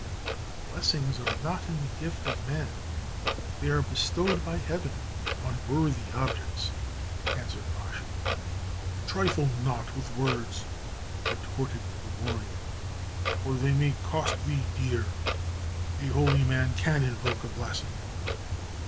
"Blessings are not in the gift of man; they are bestowed by Heaven on worthy objects," answered Rashi. "Trifle not with words," retorted the warrior, "or they may cost thee dear. A holy man can invoke a blessing."